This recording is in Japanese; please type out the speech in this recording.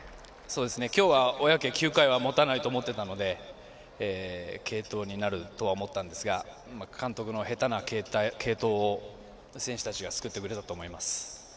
今日は小宅９回はもたないと思ってたので継投になると思ってたんですが監督の下手な継投を選手たちが救ってくれたと思います。